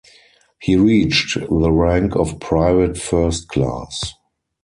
He reached the rank of Private First Class.